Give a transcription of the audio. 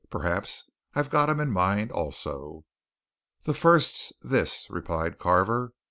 "Perhaps I've got 'em in mind also." "The first's this," replied Carver.